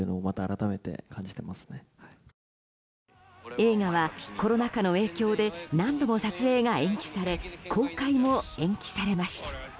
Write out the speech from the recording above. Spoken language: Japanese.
映画はコロナ禍の影響で何度も撮影が延期され公開も延期されました。